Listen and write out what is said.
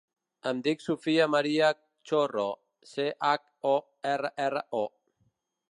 Em dic Sofia maria Chorro: ce, hac, o, erra, erra, o.